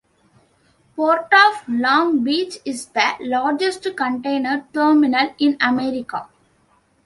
Port of Long Beach is the largest container terminal in America.